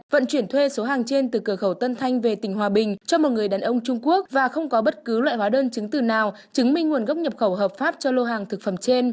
vận chuyển thuê số hàng trên từ cửa khẩu tân thanh về tỉnh hòa bình cho một người đàn ông trung quốc và không có bất cứ loại hóa đơn chứng từ nào chứng minh nguồn gốc nhập khẩu hợp pháp cho lô hàng thực phẩm trên